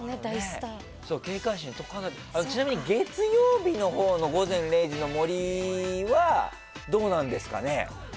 ちなみに月曜日のほうの「午前０時の森」はどうなんですかね？